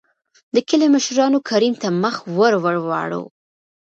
دکلي مشرانو کريم ته مخ ور ور واړو .